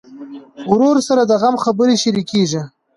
ورور سره د غم خبرې شريکېږي.